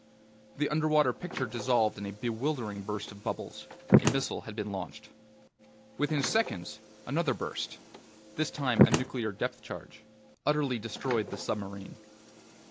The underwater picture dissolved in a bewildering burst of bubbles. A missile had been launched. Within seconds, another burst this time a nuclear depth charge utterly destroyed the submarine.